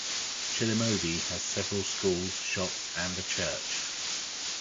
Chiliomodi has several schools, shops and a church.